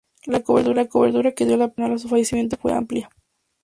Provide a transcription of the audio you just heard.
La cobertura que dio la prensa nacional a su fallecimiento fue amplia.